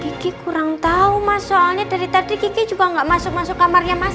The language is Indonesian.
kiki kurang tau mas soalnya dari tadi kiki juga gak masuk masuk kamarnya mas